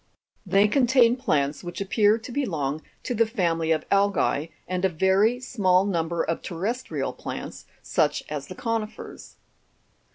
They contain plants which appear to belong to the family of algae, and a very small number of terrestrial plants, such as the co'nifers.